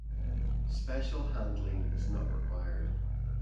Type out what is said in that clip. Special handling is not required.